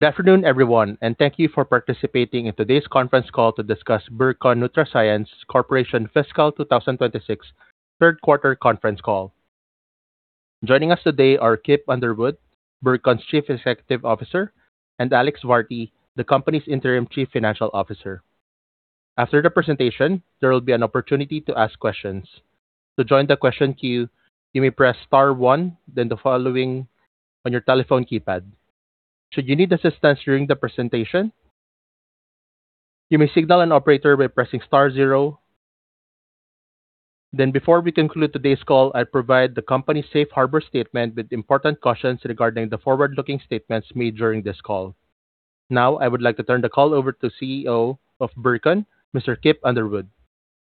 Good afternoon, everyone, and thank you for participating in today's conference call to discuss Burcon NutraScience Corporation Fiscal 2026 third quarter conference call. Joining us today are Kip Underwood, Burcon's Chief Executive Officer, and Alex Varty, the company's Interim Chief Financial Officer. After the presentation, there will be an opportunity to ask questions. To join the question queue, you may press star one, then the following on your telephone keypad. Should you need assistance during the presentation, you may signal an operator by pressing star zero. Then before we conclude today's call, I provide the company's safe harbor statement with important cautions regarding the forward-looking statements made during this call. Now, I would like to turn the call over to CEO of Burcon, Mr. Kip Underwood.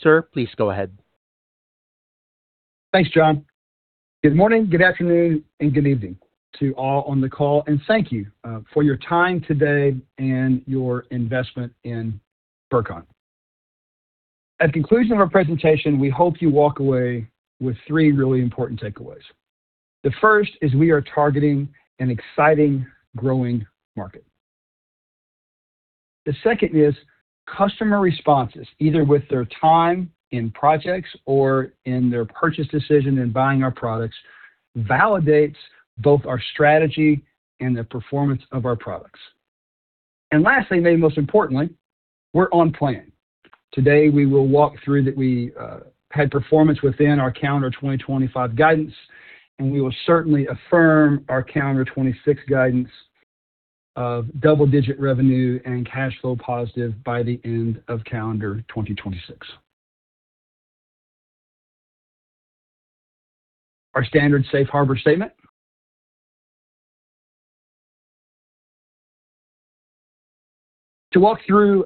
Sir, please go ahead. Thanks, John. Good morning, good afternoon, and good evening to all on the call, and thank you for your time today and your investment in Burcon. At the conclusion of our presentation, we hope you walk away with three really important takeaways. The first is we are targeting an exciting, growing market. The second is customer responses, either with their time in projects or in their purchase decision in buying our products, validates both our strategy and the performance of our products. And lastly, maybe most importantly, we're on plan. Today, we will walk through that we had performance within our calendar 2025 guidance, and we will certainly affirm our calendar 2026 guidance of double-digit revenue and cash flow positive by the end of calendar 2026. Our standard safe harbor statement. To walk through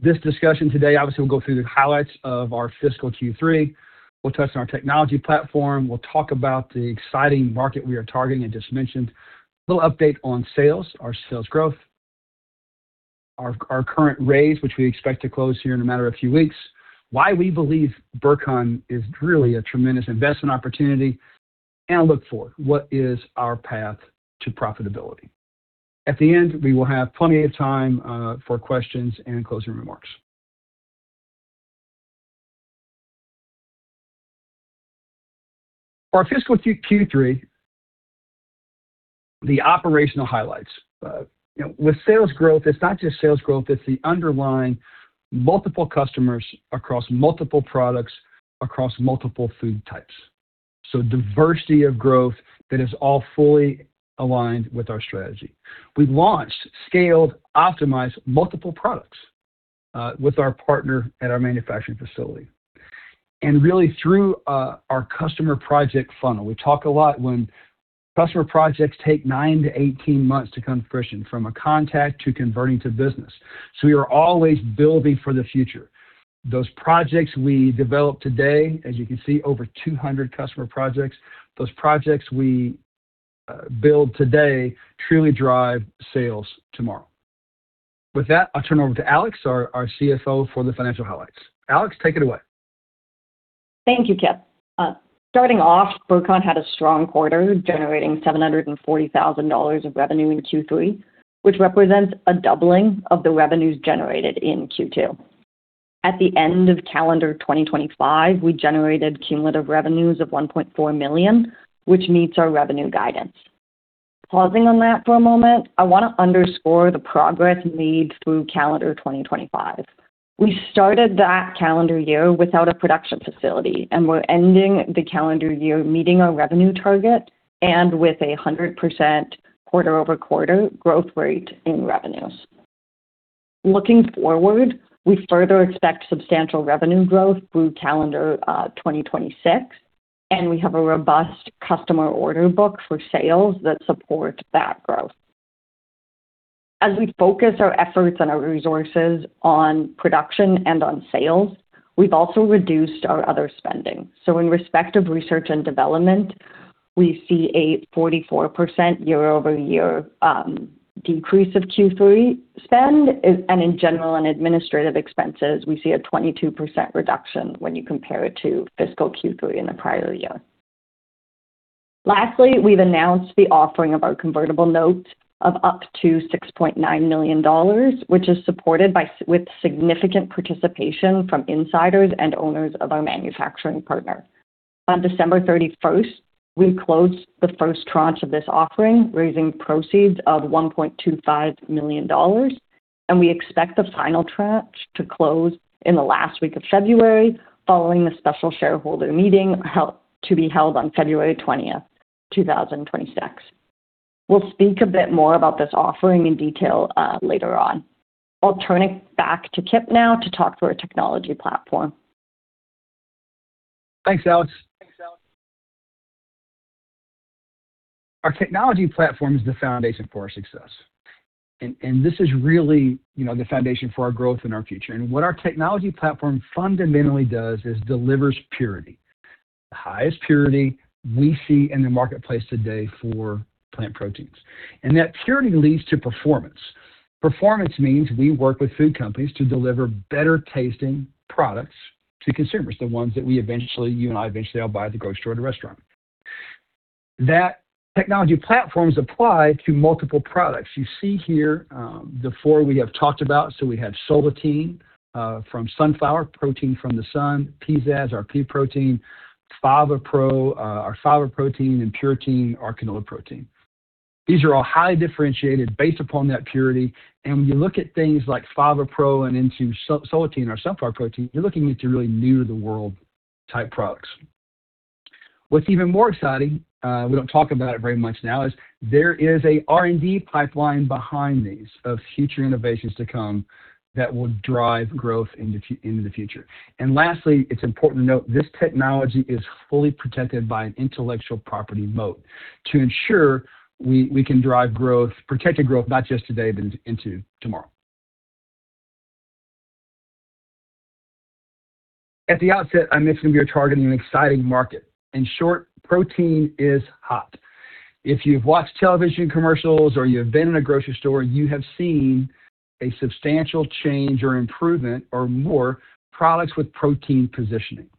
this discussion today, obviously, we'll go through the highlights of our fiscal Q3. We'll touch on our technology platform. We'll talk about the exciting market we are targeting, I just mentioned. A little update on sales, our sales growth, our current raise, which we expect to close here in a matter of a few weeks. Why we believe Burcon is really a tremendous investment opportunity, and look for what is our path to profitability. At the end, we will have plenty of time for questions and closing remarks. For our fiscal Q3, the operational highlights. You know, with sales growth, it's not just sales growth, it's the underlying multiple customers across multiple products, across multiple food types. So diversity of growth that is all fully aligned with our strategy. We've launched, scaled, optimized multiple products with our partner at our manufacturing facility. Really through our customer project funnel. We talk a lot when customer projects take 9-18 months to come to fruition, from a contact to converting to business. So we are always building for the future. Those projects we develop today, as you can see, over 200 customer projects, those projects we build today truly drive sales tomorrow. With that, I'll turn it over to Alex, our CFO, for the financial highlights. Alex, take it away. Thank you, Kip. Starting off, Burcon had a strong quarter, generating $740,000 of revenue in Q3, which represents a doubling of the revenues generated in Q2. At the end of calendar 2025, we generated cumulative revenues of 1.4 million, which meets our revenue guidance. Pausing on that for a moment, I want to underscore the progress made through calendar 2025. We started that calendar year without a production facility, and we're ending the calendar year meeting our revenue target and with a 100% quarter-over-quarter growth rate in revenues. Looking forward, we further expect substantial revenue growth through calendar 2026, and we have a robust customer order book for sales that support that growth. As we focus our efforts and our resources on production and on sales, we've also reduced our other spending. So in respect of research and development, we see a 44% year-over-year decrease of Q3 spend. And in general and administrative expenses, we see a 22% reduction when you compare it to fiscal Q3 in the prior year. Lastly, we've announced the offering of our convertible notes of up to 6.9 million dollars, which is supported by, with significant participation from insiders and owners of our manufacturing partner. On December 31, we closed the first tranche of this offering, raising proceeds of 1.25 million dollars, and we expect the final tranche to close in the last week of February, following the special shareholder meeting to be held on February 20, 2026. We'll speak a bit more about this offering in detail later on. I'll turn it back to Kip now to talk through our technology platform. Thanks, Alex. Our technology platform is the foundation for our success, and this is really, you know, the foundation for our growth and our future. And what our technology platform fundamentally does is delivers purity, the highest purity we see in the marketplace today for plant proteins. And that purity leads to performance. Performance means we work with food companies to deliver better-tasting products to consumers, the ones that we eventually, you and I eventually all buy at the grocery store or the restaurant. That technology platforms apply to multiple products. You see here, the four we have talked about. So we have Solatein, from sunflower, protein from the sun, Peazazz, our pea protein, FavaPro, our fava protein, and Puratein, our canola protein. These are all highly differentiated based upon that purity, and when you look at things like FavaPro and into Solatein, our sunflower protein, you're looking into really new to the world type products. What's even more exciting, we don't talk about it very much now, is there is a R&D pipeline behind these of future innovations to come that will drive growth into, into the future. And lastly, it's important to note, this technology is fully protected by an intellectual property moat to ensure we, we can drive growth, protected growth, not just today, but into, into tomorrow. At the outset, I mentioned we are targeting an exciting market. In short, protein is hot. If you've watched television commercials or you've been in a grocery store, you have seen a substantial change or improvement or more products with protein positioning.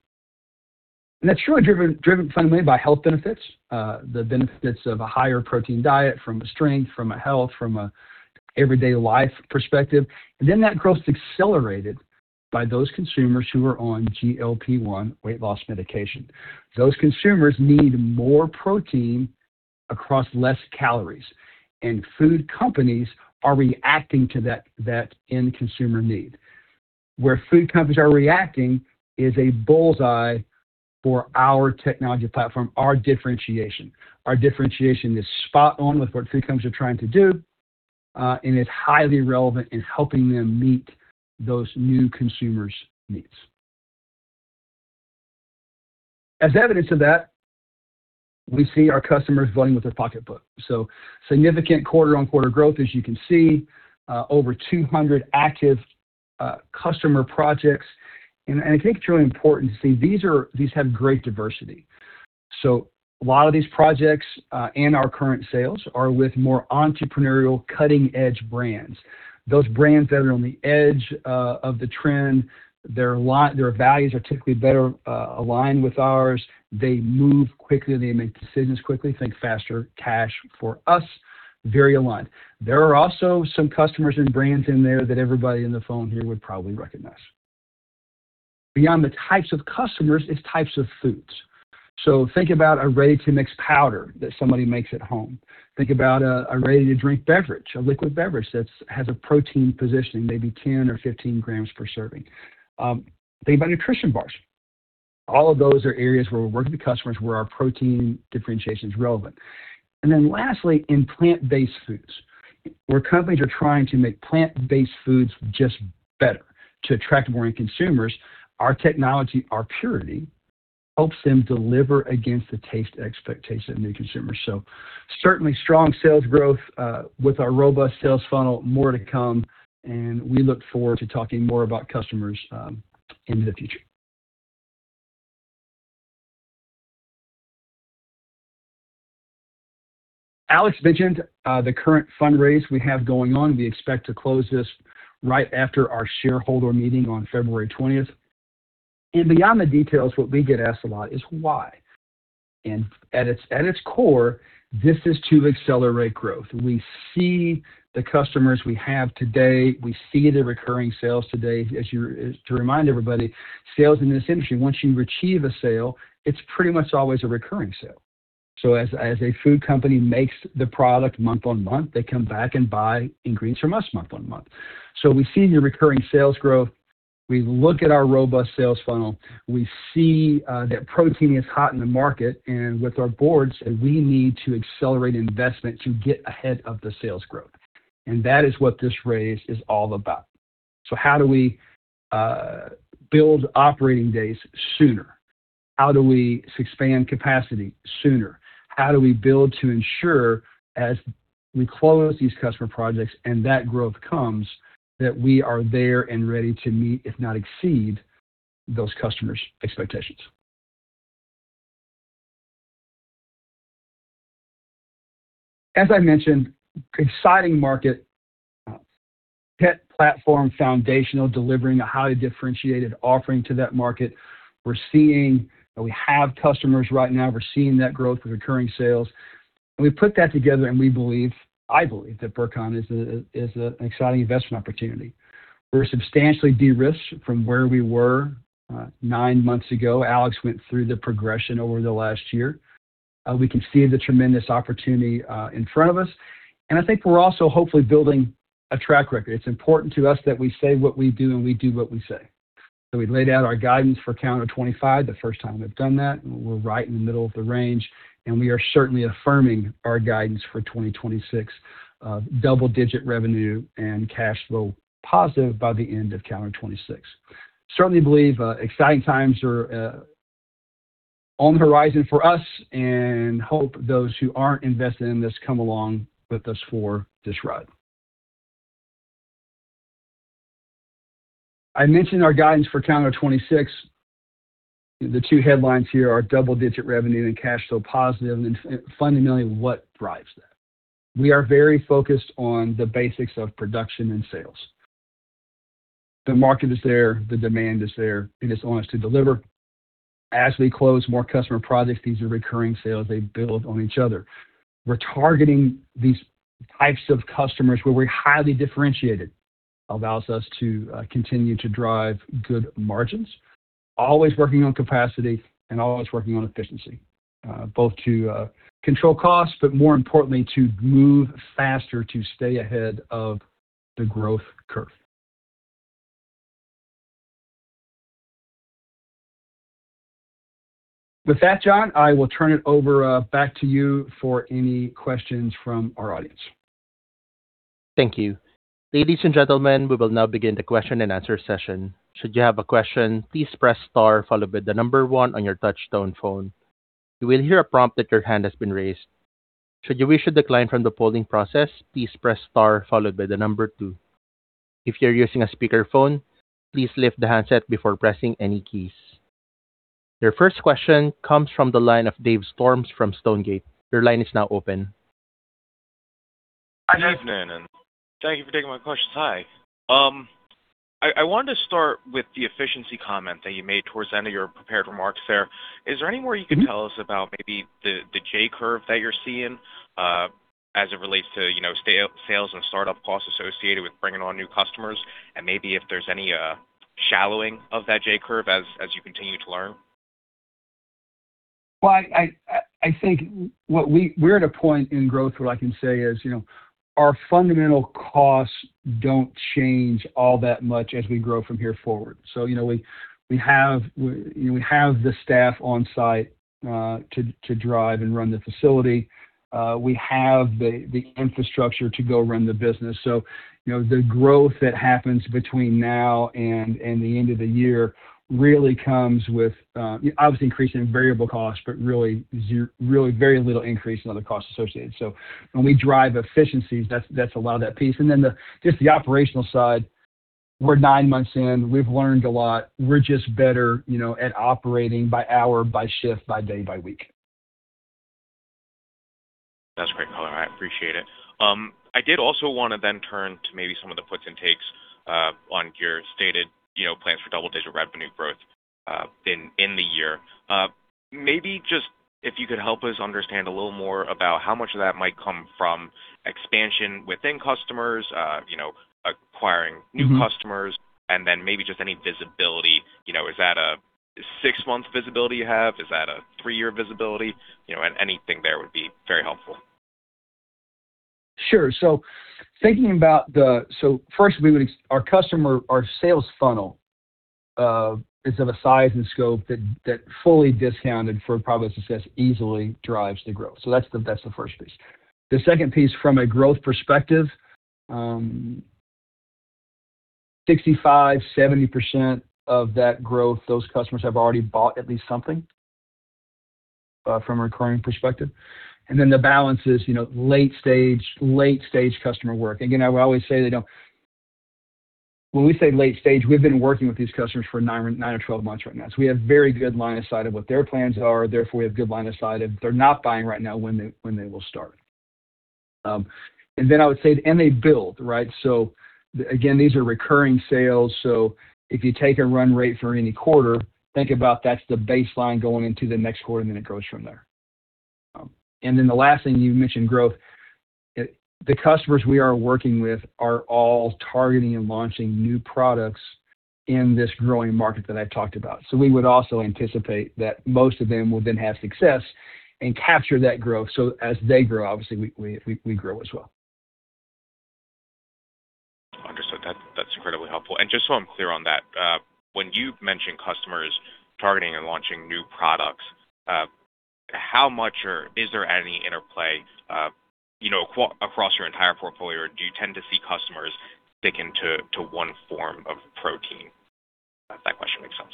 And that's truly driven fundamentally by health benefits, the benefits of a higher protein diet from a strength, from a health, from a everyday life perspective. And then that growth is accelerated by those consumers who are on GLP-1 weight loss medication. Those consumers need more protein across less calories, and food companies are reacting to that end consumer need. Where food companies are reacting is a bull's-eye for our technology platform, our differentiation. Our differentiation is spot on with what food companies are trying to do, and it's highly relevant in helping them meet those new consumers' needs. As evidence of that, we see our customers voting with their pocketbook. So significant quarter-on-quarter growth, as you can see, over 200 active customer projects. And I think it's really important to see these have great diversity. So a lot of these projects and our current sales are with more entrepreneurial, cutting-edge brands. Those brands that are on the edge of the trend, their values are typically better aligned with ours. They move quickly, they make decisions quickly, think faster, cash for us, very aligned. There are also some customers and brands in there that everybody on the phone here would probably recognize. Beyond the types of customers, it's types of foods. So think about a ready-to-mix powder that somebody makes at home. Think about a ready-to-drink beverage, a liquid beverage that has a protein positioning, maybe 10 or 15 grams per serving. Think about nutrition bars. All of those are areas where we're working with customers where our protein differentiation is relevant. And then lastly, in plant-based foods, where companies are trying to make plant-based foods just better to attract more end consumers, our technology, our purity, helps them deliver against the taste expectations of new consumers. So certainly strong sales growth with our robust sales funnel, more to come, and we look forward to talking more about customers into the future. Alex mentioned the current fundraise we have going on. We expect to close this right after our shareholder meeting on February twentieth. And beyond the details, what we get asked a lot is why? And at its core, this is to accelerate growth. We see the customers we have today, we see the recurring sales today. To remind everybody, sales in this industry, once you achieve a sale, it's pretty much always a recurring sale. So as a food company makes the product month-on-month, they come back and buy ingredients from us month-on-month. So we see the recurring sales growth, we look at our robust sales funnel, we see that protein is hot in the market, and with our boards, we need to accelerate investment to get ahead of the sales growth. And that is what this raise is all about. So how do we build operating days sooner? How do we expand capacity sooner? How do we build to ensure as we close these customer projects and that growth comes, that we are there and ready to meet, if not exceed, those customers' expectations? As I mentioned, exciting market, pea platform, foundational, delivering a highly differentiated offering to that market. We're seeing, and we have customers right now, we're seeing that growth with recurring sales. And we put that together and we believe, I believe, that Burcon is an exciting investment opportunity. We're substantially de-risked from where we were nine months ago. Alex went through the progression over the last year. We can see the tremendous opportunity in front of us, and I think we're also hopefully building a track record. It's important to us that we say what we do, and we do what we say. We laid out our guidance for calendar 2025, the first time we've done that, and we're right in the middle of the range, and we are certainly affirming our guidance for 2026, double-digit revenue and cash flow positive by the end of calendar 2026. Certainly believe exciting times are on the horizon for us and hope those who aren't invested in this come along with us for this ride. I mentioned our guidance for calendar 2026. The two headlines here are double-digit revenue and cash flow positive, and fundamentally, what drives that? We are very focused on the basics of production and sales. The market is there, the demand is there, and it's on us to deliver. As we close more customer projects, these are recurring sales, they build on each other. We're targeting these types of customers where we're highly differentiated, allows us to continue to drive good margins, always working on capacity and always working on efficiency, both to control costs, but more importantly, to move faster to stay ahead of the growth curve. With that, John, I will turn it over, back to you for any questions from our audience. Thank you. Ladies and gentlemen, we will now begin the question and answer session. Should you have a question, please press star followed by the number 1 on your touch-tone phone. You will hear a prompt that your hand has been raised. Should you wish to decline from the polling process, please press star followed by the number 2. If you're using a speakerphone, please lift the handset before pressing any keys. Your first question comes from the line of Dave Storms from Stonegate. Your line is now open. Good evening, and thank you for taking my questions. Hi. I wanted to start with the efficiency comment that you made towards the end of your prepared remarks there. Is there any more you can tell us about maybe the J-curve that you're seeing, as it relates to, you know, sales and startup costs associated with bringing on new customers, and maybe if there's any shallowing of that J-curve as you continue to learn? Well, I think what we're at a point in growth where I can say is, you know, our fundamental costs don't change all that much as we grow from here forward. So, you know, we have the staff on site to drive and run the facility. We have the infrastructure to go run the business. So, you know, the growth that happens between now and the end of the year really comes with obviously increasing variable costs, but really very little increase in other costs associated. So when we drive efficiencies, that's a lot of that piece. And then just the operational side, we're nine months in, we've learned a lot. We're just better, you know, at operating by hour, by shift, by day, by week. That's great. I appreciate it. I did also want to then turn to maybe some of the puts and takes on your stated, you know, plans for double-digit revenue growth in the year. Maybe just if you could help us understand a little more about how much of that might come from expansion within customers, you know, acquiring new customers- Mm-hmm. And then maybe just any visibility, you know, is that a 6-month visibility you have? Is that a 3-year visibility? You know, anything there would be very helpful. Sure. So thinking about the so first, our customer, our sales funnel is of a size and scope that, that fully discounted for probably success, easily drives the growth. So that's the, that's the first piece. The second piece, from a growth perspective, 65%-70% of that growth, those customers have already bought at least something from a recurring perspective. And then the balance is, you know, late stage customer work. Again, I would always say they don't. When we say late stage, we've been working with these customers for 9 or 12 months right now. So we have very good line of sight of what their plans are. Therefore, we have good line of sight if they're not buying right now, when they will start. And then I would say, and they build, right? So again, these are recurring sales. So if you take a run rate for any quarter, think about, that's the baseline going into the next quarter, and then it grows from there. And then the last thing you mentioned, growth. The customers we are working with are all targeting and launching new products in this growing market that I talked about. So we would also anticipate that most of them will then have success and capture that growth. So as they grow, obviously, we grow as well. Understood. That's, that's incredibly helpful. And just so I'm clear on that, when you mention customers targeting and launching new products, how much or is there any interplay, you know, across your entire portfolio, or do you tend to see customers sticking to, to one form of protein, if that question makes sense?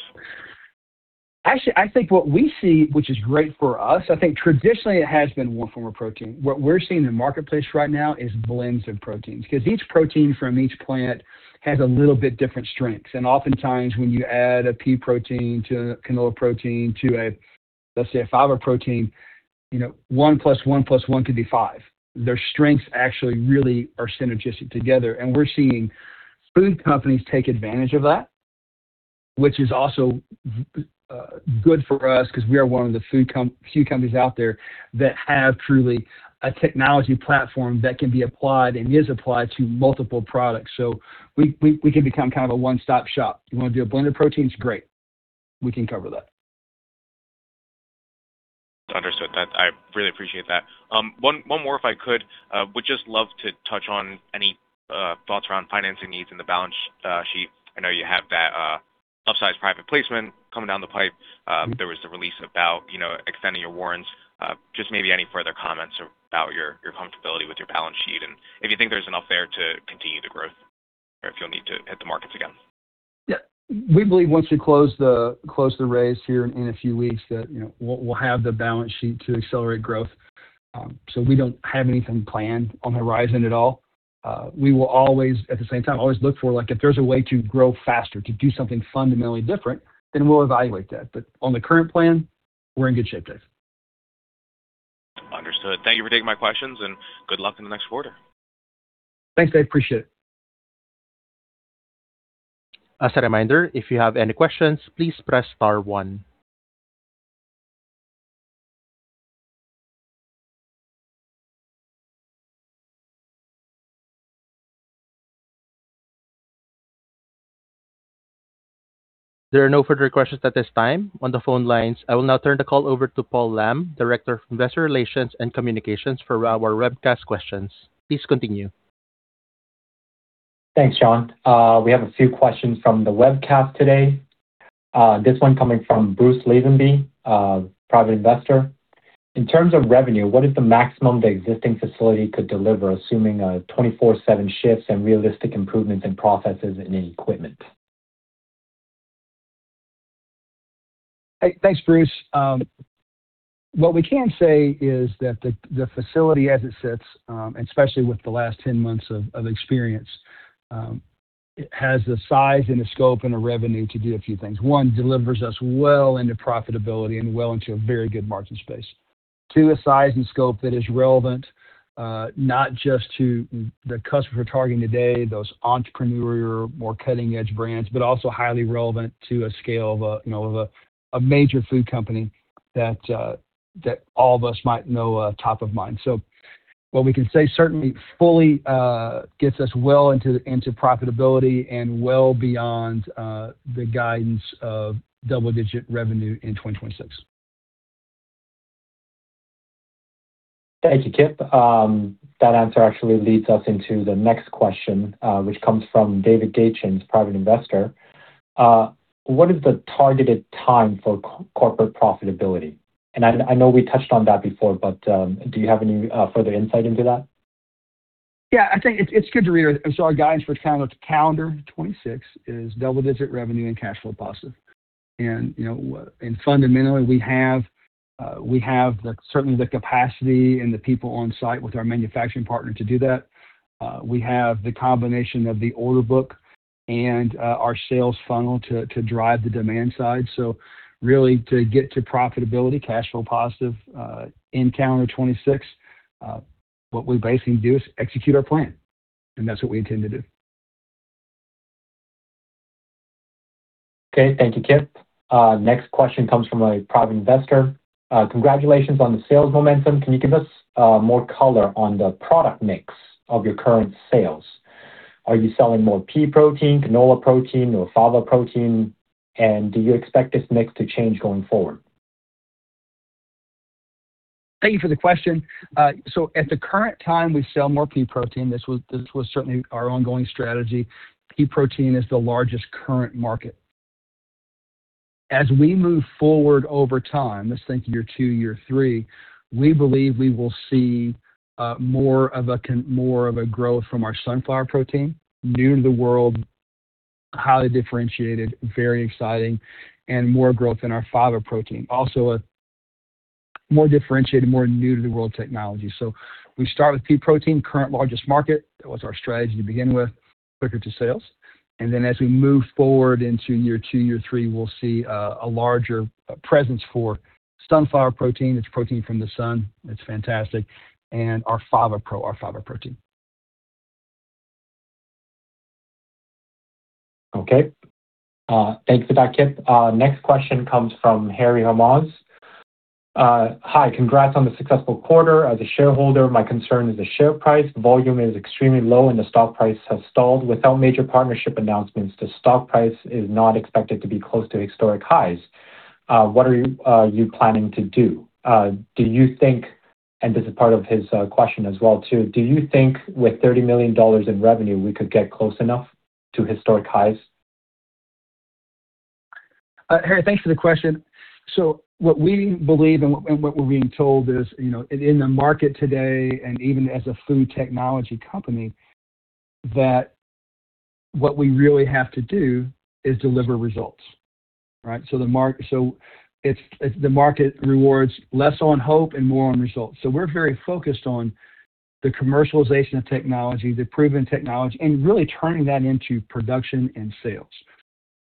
Actually, I think what we see, which is great for us. I think traditionally it has been one form of protein. What we're seeing in the marketplace right now is blends of proteins, 'cause each protein from each plant has a little bit different strengths. And oftentimes, when you add a pea protein to canola protein to a, let's say, a fiber protein, you know, one plus one plus one could be five. Their strengths actually really are synergistic together, and we're seeing food companies take advantage of that, which is also good for us because we are one of the few companies out there that have truly a technology platform that can be applied and is applied to multiple products. So we can become kind of a one-stop shop. You want to do a blended proteins, great! We can cover that. Understood. That, I really appreciate that. One more, if I could. Would just love to touch on any thoughts around financing needs in the balance sheet. I know you have that upsized private placement coming down the pipe. There was a release about, you know, extending your warrants. Just maybe any further comments about your comfortability with your balance sheet and if you think there's enough there to continue the growth or if you'll need to hit the markets again. Yeah, we believe once we close the raise here in a few weeks, that, you know, we'll have the balance sheet to accelerate growth. So we don't have anything planned on the horizon at all. We will always, at the same time, always look for like, if there's a way to grow faster, to do something fundamentally different, then we'll evaluate that. But on the current plan, we're in good shape, Dave. Thank you for taking my questions, and good luck in the next quarter. Thanks, I appreciate it. As a reminder, if you have any questions, please press star one. There are no further questions at this time on the phone lines. I will now turn the call over to Paul Lam, Director of Investor Relations and Communications, for our webcast questions. Please continue. Thanks, John. We have a few questions from the webcast today. This one coming from Bruce Lisenby, a private investor. In terms of revenue, what is the maximum the existing facility could deliver, assuming a 24/7 shifts and realistic improvements in processes and equipment? Hey, thanks, Bruce. What we can say is that the facility as it sits, especially with the last 10 months of experience, it has the size and the scope and the revenue to do a few things. One, delivers us well into profitability and well into a very good margin space. To a size and scope that is relevant, not just to the customer we're targeting today, those entrepreneurial, more cutting-edge brands, but also highly relevant to a scale of a, you know, of a major food company that all of us might know, top of mind. So what we can say, certainly fully, gets us well into profitability and well beyond the guidance of double-digit revenue in 2026. Thank you, Kip. That answer actually leads us into the next question, which comes from David Gatchens, private investor. What is the targeted time for corporate profitability? And I, I know we touched on that before, but, do you have any further insight into that? Yeah, I think it's good to reiterate. So our guidance for calendar 2026 is double-digit revenue and cash flow positive. And, you know, fundamentally, we certainly have the capacity and the people on site with our manufacturing partner to do that. We have the combination of the order book and our sales funnel to drive the demand side. So really, to get to profitability, cash flow positive, in calendar 2026, what we basically do is execute our plan, and that's what we intend to do. Okay, thank you, Kip. Next question comes from a private investor. "Congratulations on the sales momentum. Can you give us more color on the product mix of your current sales? Are you selling more pea protein, canola protein, or fava protein, and do you expect this mix to change going forward? Thank you for the question. So at the current time, we sell more pea protein. This was certainly our ongoing strategy. Pea protein is the largest current market. As we move forward over time, let's think year two, year three, we believe we will see more of a growth from our sunflower protein. New to the world, highly differentiated, very exciting, and more growth in our fava protein. Also, a more differentiated, more new to the world technology. So we start with pea protein, current largest market. That was our strategy to begin with, quicker to sales. And then as we move forward into year two, year three, we'll see a larger presence for sunflower protein. It's protein from the sun. It's fantastic. And our fava pro, our fava protein. Okay, thanks for that, Kip. Next question comes from Harry Hermanz. "Hi, congrats on the successful quarter. As a shareholder, my concern is the share price. Volume is extremely low, and the stock price has stalled. Without major partnership announcements, the stock price is not expected to be close to historic highs. What are you, you planning to do? Do you think." And this is part of his, question as well, too. "Do you think with 30 million dollars in revenue, we could get close enough to historic highs? Harry, thanks for the question. So what we believe and, and what we're being told is, you know, in the market today, and even as a food technology company, that what we really have to do is deliver results, right? So it's, it's the market rewards less on hope and more on results. So we're very focused on the commercialization of technology, the proven technology, and really turning that into production and sales.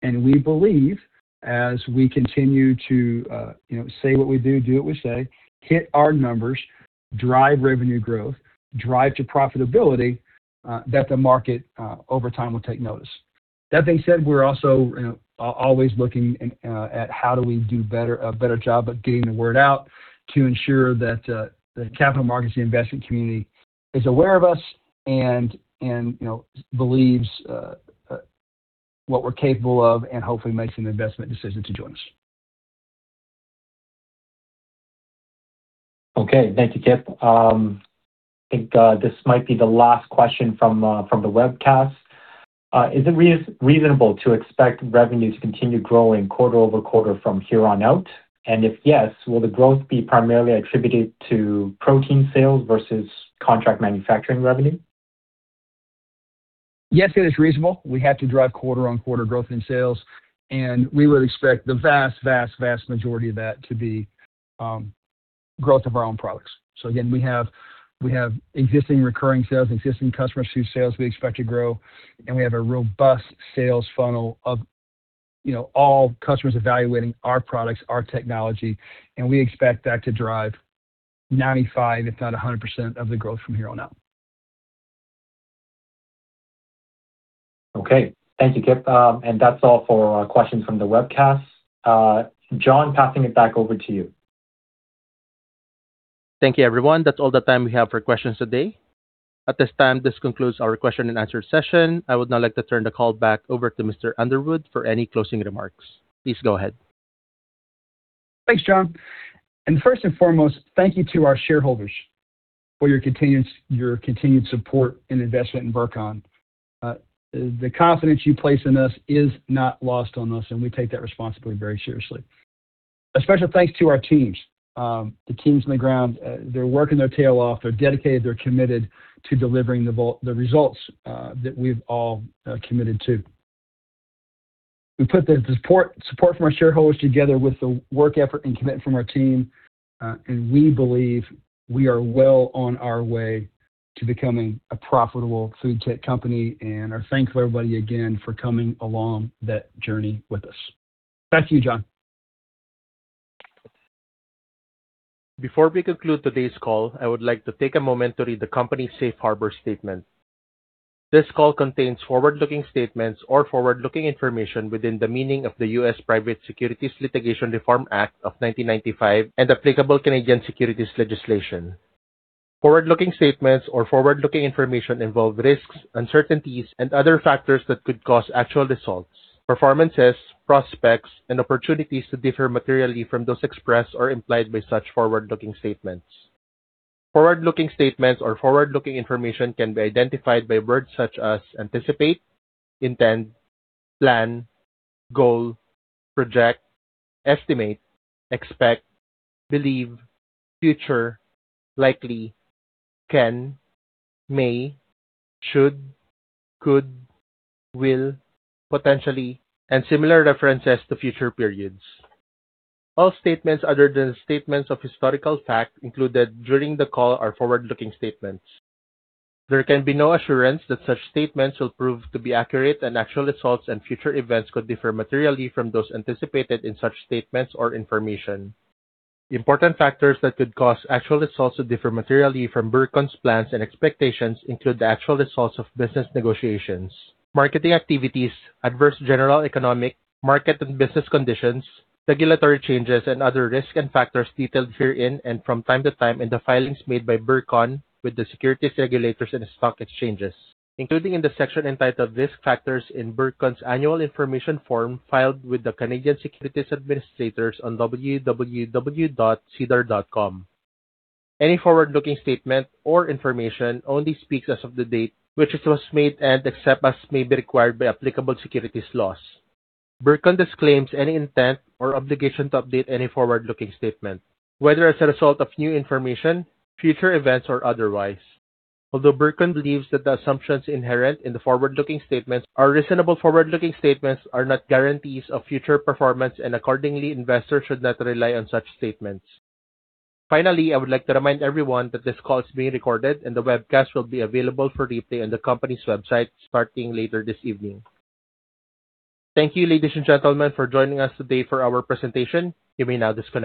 And we believe as we continue to, you know, say what we do, do what we say, hit our numbers, drive revenue growth, drive to profitability, that the market, over time will take notice. That being said, we're also always looking at how do we do better, a better job of getting the word out to ensure that the capital markets, the investment community, is aware of us and, and, you know, believes what we're capable of and hopefully makes an investment decision to join us. Okay. Thank you, Kip. I think this might be the last question from the webcast. Is it reasonable to expect revenue to continue growing quarter over quarter from here on out? And if yes, will the growth be primarily attributed to protein sales versus contract manufacturing revenue? Yes, it is reasonable. We have to drive quarter-on-quarter growth in sales, and we would expect the vast, vast, vast majority of that to be growth of our own products. So again, we have, we have existing recurring sales, existing customers whose sales we expect to grow, and we have a robust sales funnel of you know, all customers evaluating our products, our technology, and we expect that to drive 95, if not 100% of the growth from here on out. Okay. Thank you, Kip. That's all for our questions from the webcast. John, passing it back over to you. Thank you, everyone. That's all the time we have for questions today. At this time, this concludes our question and answer session. I would now like to turn the call back over to Mr. Underwood for any closing remarks. Please go ahead. Thanks, John, and first and foremost, thank you to our shareholders for your continued support and investment in Burcon. The confidence you place in us is not lost on us, and we take that responsibility very seriously. A special thanks to our teams. The teams on the ground, they're working their tail off. They're dedicated, they're committed to delivering the results that we've all committed to. We put the support from our shareholders together with the work effort and commitment from our team, and we believe we are well on our way to becoming a profitable food tech company, and I thank everybody again for coming along that journey with us. Back to you, John. Before we conclude today's call, I would like to take a moment to read the company's safe harbor statement. This call contains forward-looking statements or forward-looking information within the meaning of the U.S. Private Securities Litigation Reform Act of 1995 and applicable Canadian securities legislation. Forward-looking statements or forward-looking information involve risks, uncertainties, and other factors that could cause actual results, performances, prospects, and opportunities to differ materially from those expressed or implied by such forward-looking statements. Forward-looking statements or forward-looking information can be identified by words such as anticipate, intend, plan, goal, project, estimate, expect, believe, future, likely, can, may, should, could, will, potentially, and similar references to future periods. All statements other than statements of historical fact included during the call are forward-looking statements. There can be no assurance that such statements will prove to be accurate, and actual results and future events could differ materially from those anticipated in such statements or information. Important factors that could cause actual results to differ materially from Burcon's plans and expectations include the actual results of business negotiations, marketing activities, adverse general economic market and business conditions, regulatory changes, and other risks and factors detailed herein and from time to time in the filings made by Burcon with the securities regulators and stock exchanges, including in the section entitled Risk Factors in Burcon's Annual Information Form, filed with the Canadian Securities Administrators on www.sedar.com. Any forward-looking statement or information only speaks as of the date which it was made and except as may be required by applicable securities laws. Burcon disclaims any intent or obligation to update any forward-looking statement, whether as a result of new information, future events, or otherwise. Although Burcon believes that the assumptions inherent in the forward-looking statements are reasonable, forward-looking statements are not guarantees of future performance, and accordingly, investors should not rely on such statements. Finally, I would like to remind everyone that this call is being recorded, and the webcast will be available for replay on the company's website starting later this evening. Thank you, ladies and gentlemen, for joining us today for our presentation. You may now disconnect.